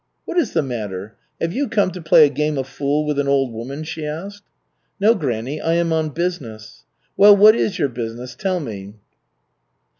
"What is the matter? Have you come to play a game of fool with an old woman?" she asked. "No, granny, I am on business." "Well, what is your business? Tell me."